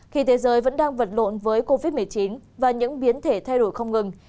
khi thế giới vẫn đang vật lộn với covid một mươi chín và những biến thể thay đổi không ngừng